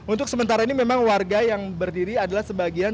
untuk sementara ini memang warga yang berdiri adalah sebagian